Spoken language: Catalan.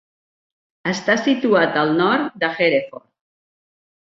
Està situat al nord de Hereford.